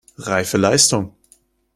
Reife Leistung!